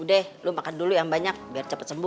udah lu makan dulu yang banyak biar cepet sembuh